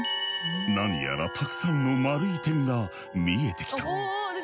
何やらたくさんの丸い点が見えてきた。